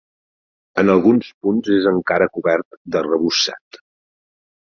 En alguns punts és encara cobert d'arrebossat.